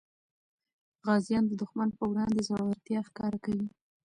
غازیان د دښمن په وړاندې زړورتیا ښکاره کوي.